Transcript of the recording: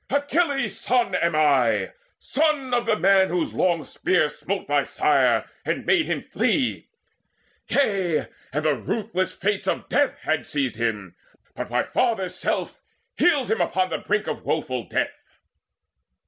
Achilles' son am I, Son of the man whose long spear smote thy sire, And made him flee yea, and the ruthless fates Of death had seized him, but my father's self Healed him upon the brink of woeful death.